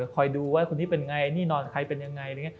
คอยดูว่าคนนี้เป็นไงนี่นอนใครเป็นยังไง